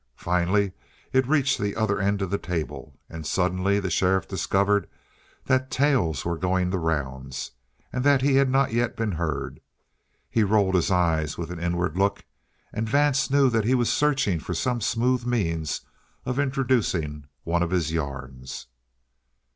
Finally, it reached the other end of the table, and suddenly the sheriff discovered that tales were going the rounds, and that he had not yet been heard. He rolled his eye with an inward look, and Vance knew that he was searching for some smooth means of introducing one of his yarns.